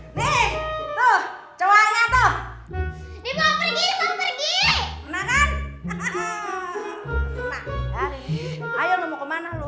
ceri ngapain disini disini banyak cowok